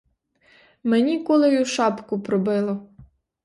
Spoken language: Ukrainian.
Мені кулею шапку пробило.